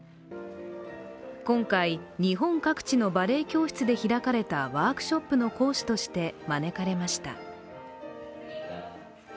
今回、日本各地のバレエ教室で開かれたワークショップの講師として招かれました。